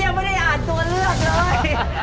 ยังไม่ได้อ่านตัวเลือกเลย